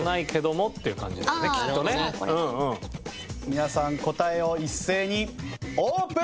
皆さん答えを一斉にオープン！